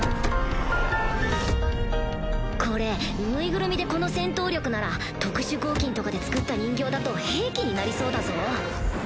これ縫いぐるみでこの戦闘力なら特殊合金とかで作った人形だと兵器になりそうだぞ